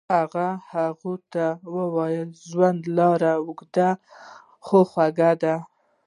هغه هغې ته وویل ژوند لاره اوږده خو خوږه ده.